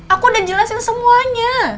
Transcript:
aku udah jelasin semuanya